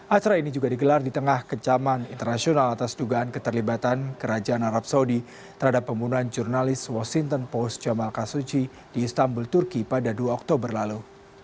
acara ini juga digelar di tengah kecaman internasional atas dugaan keterlibatan kerajaan arab saudi terhadap pembunuhan jurnalis washington post jamal kasuci di istanbul turki pada dua oktober lalu